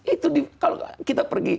itu kalau kita pergi